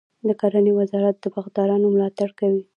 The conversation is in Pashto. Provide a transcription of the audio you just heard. د کرنې وزارت د باغدارانو ملاتړ کوي.